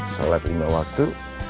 salat lima waktu